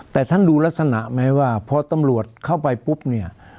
แต่ท่านดูลักษณะไหมว่าพอตำรวจเข้าไปปุ๊บเนี่ย